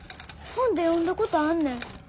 本で読んだことあんねん。